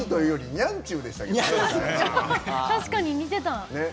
確かに似てた。ね。